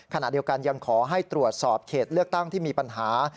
ขณะเดียวกันยังขอให้ตรวจสอบเขตเลือกตั้งที่มีปัญหา